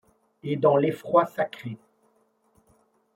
Et dans l’effroi sacré